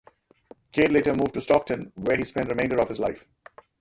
Cade later moved to Stockton, where he spent the remainder of his life.